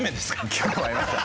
今日会いました。